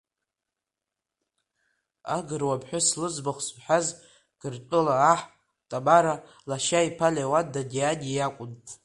Агыруа ԥҳәыс лыӡбахә зҳәаз Гыртәыла аҳ, Ҭамара, лашьа иԥа Леуан Дадиан иакәын.